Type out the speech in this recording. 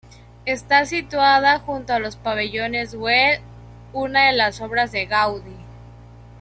Está situada junto a los Pabellones Güell, una de las obras de Gaudí.